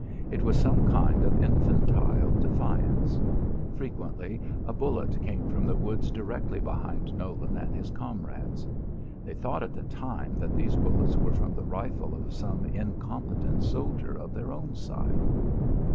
It was some kind of infantile defiance. Frequently a bullet came from the woods directly behind Nolan and his comrades. They thought at the time that these bullets were from the rifle of some incompetent soldier of their own side.